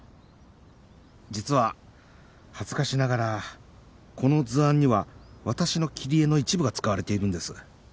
実は恥ずかしながらこの図案には私の切り絵の一部が使われているんです。